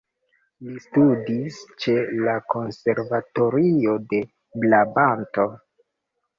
Li studis ĉe la konservatorio de Brabanto.